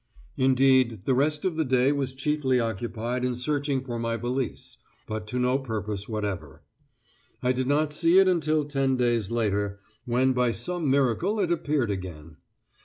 Indeed, the rest of the day was chiefly occupied in searching for my valise, but to no purpose whatever. I did not see it until ten days later, when by some miracle it appeared again!